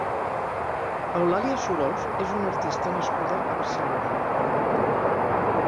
Eulàlia Surós és una artista nascuda a Barcelona.